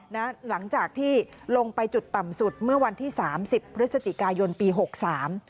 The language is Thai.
หลังจากที่ลงไปจุดต่ำสุดเมื่อวันที่สามสิบพฤศจิกายนปีหกสาม